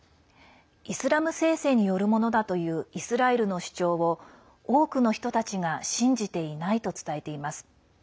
イスラム聖戦によるものだというイスラエルの主張を多くの人たちが信じていないと伝えています。